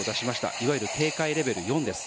いわゆる警戒レベル４です。